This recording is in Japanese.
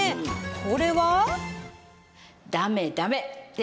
これは。